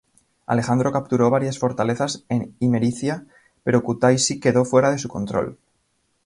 Alejandro capturó varias fortalezas en Imericia, pero Kutaisi quedó fuera de su control.